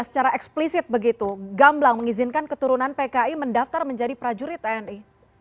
secara eksplisit begitu gamblang mengizinkan keturunan pki mendaftar menjadi prajurit tni